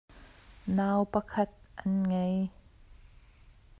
Nau pakhat an ngei.